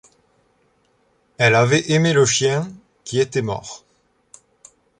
Elle avait aimé le chien, qui était mort.